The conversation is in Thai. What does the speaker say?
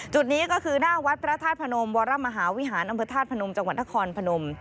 จุดนี้ก็คือหน้าวัดพระธาตุพนมวรมหาวิหารอำเภอธาตุพนมจังหวัดนครพนม